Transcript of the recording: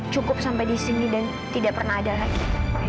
cukup sampai disini dan tidak pernah ada lagi